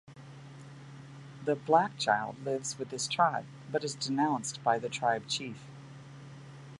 The "black child" lives with his tribe, but is denounced by the tribe chief.